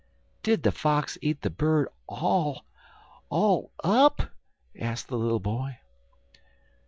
*1 "Did the Fox eat the bird all all up?" asked the little boy.